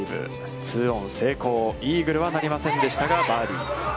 ツーオン成功、イーグルはなりませんでしたがバーディー。